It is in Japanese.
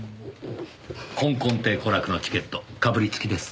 今今亭狐楽のチケットかぶりつきです。